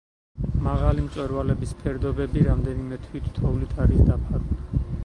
მაღალი მწვერვალების ფერდობები რამდენიმე თვით თოვლით არის დაფარული.